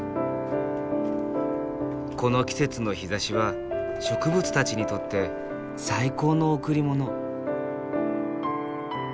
この季節の日ざしは植物たちにとって最高の贈り物。